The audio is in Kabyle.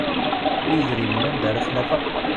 I yidrimen anda ara t-nafeɣ?